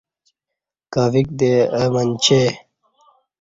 کویک دے اہ منچے